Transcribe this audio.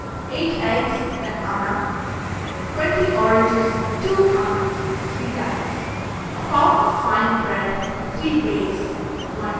eight eggs, an anna; twenty oranges, two annas (3d.); a pound of fine bread, three beis (ld.)